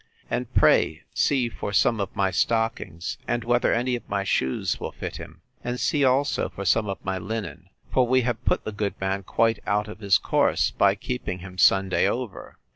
And pray see for some of my stockings, and whether any of my shoes will fit him: And see also for some of my linen; for we have put the good man quite out of his course, by keeping him Sunday over.